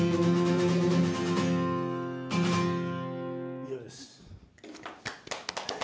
以上です。